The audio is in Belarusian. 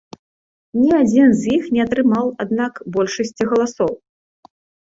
Ні адзін з іх не атрымаў, аднак, большасці галасоў.